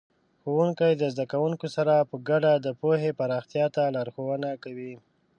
ښوونکي د زده کوونکو سره په ګډه د پوهې پراختیا ته لارښوونه کوي.